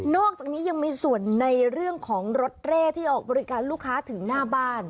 อกจากนี้ยังมีส่วนในเรื่องของรถเร่ที่ออกบริการลูกค้าถึงหน้าบ้าน